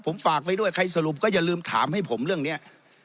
ผมฝากไว้ด้วยใครสรุปก็อย่าลืมถามให้ผมเรื่องนี้